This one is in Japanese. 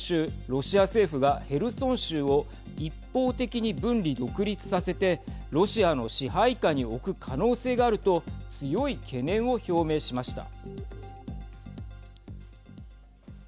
ロシア政府がヘルソン州を一方的に分離、独立させてロシアの支配下に置く可能性があると強い懸念を表明しました。